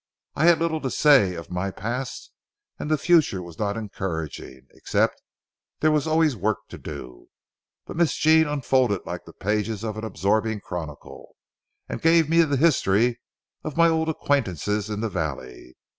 I had little to say of my past, and the future was not encouraging, except there was always work to do. But Miss Jean unfolded like the pages of an absorbing chronicle, and gave me the history of my old acquaintances in the valley.